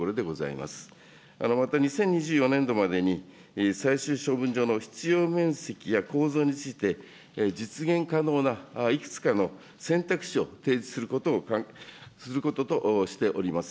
また、２０２４年度までに、最終処分場の必要面積や構造について、実現可能ないくつかの選択肢を提示することとしております。